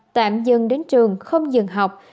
tạm dừng đến trường không dừng học